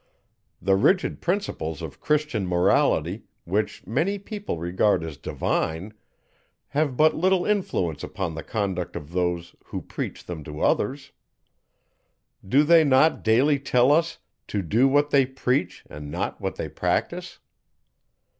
The rigid principles of Christian morality, which many people regard as divine, have but little influence upon the conduct of those, who preach them to others. Do they not daily tell us, _to do what they preach, and not what they practise?